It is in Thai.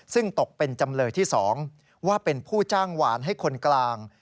ซึ่งตกเป็นจำเลยที่๒ว่าเป็นผู้จ้างหวานให้คนกลาง